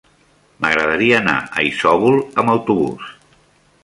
M'agradaria anar a Isòvol amb autobús.